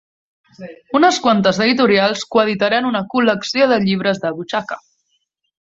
Unes quantes editorials coeditaran una col·lecció de llibres de butxaca.